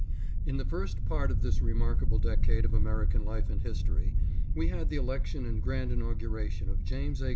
IN the first part of this remarkable decade of Ameri can life and history, we had the election and grand inauguration of James A.